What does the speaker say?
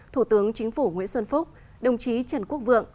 thủ tướng chính phủ nguyễn xuân phúc đồng chí trần quốc vượng